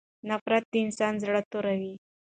نفرت د انسان زړه توروي.